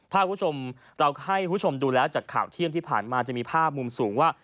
ถ้าคุณผู้ชมเราให้คุณผู้ชมดูแล้วจากข่าวเที่ยงที่ผ่านมาจะมีภาพมุมสูงว่า